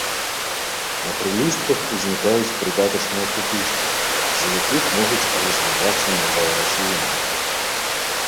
На прылістках узнікаюць прыдатачныя пупышкі, з якіх могуць развівацца новыя расліны.